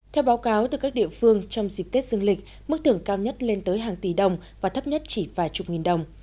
theo báo cáo từ các địa phương trong dịp tết dương lịch mức thưởng cao nhất lên tới hàng tỷ đồng và thấp nhất chỉ vài chục nghìn đồng